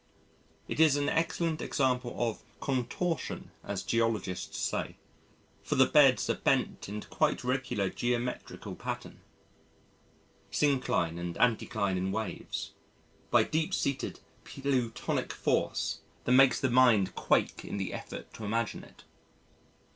It is an excellent example of "Contortion" as Geologists say, for the beds are bent into a quite regular geometrical pattern syncline and anticline in waves by deep seated plutonic force that makes the mind quake in the effort to imagine it.